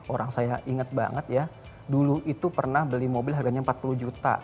orang saya ingat banget ya dulu itu pernah beli mobil harganya empat puluh juta